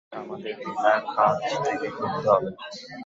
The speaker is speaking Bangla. আমাদের এটা কাছ থেকে করতে হবে।